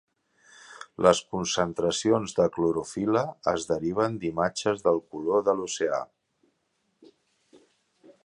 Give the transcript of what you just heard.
Les concentracions de clorofil·la es deriven d'imatges del color de l'oceà.